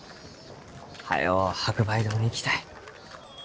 早う白梅堂に行きたい。